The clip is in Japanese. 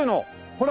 ほら！